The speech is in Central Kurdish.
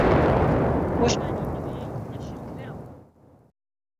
وەشانی نوێی نەشر کراوە